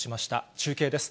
中継です。